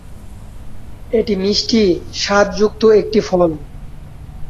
এটি মিষ্টি স্বাদযুক্ত একটি ফল।